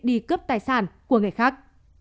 đi cướp tài sản của người khác